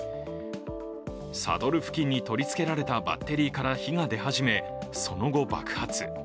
サドル付近に取り付けられたバッテリーから火が出始め、その後爆発。